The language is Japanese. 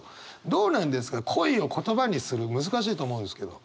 どうなんですか恋を言葉にする難しいと思うんですけど。